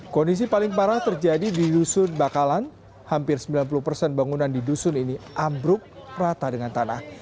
kondisi paling parah terjadi di dusun bakalan hampir sembilan puluh persen bangunan di dusun ini ambruk rata dengan tanah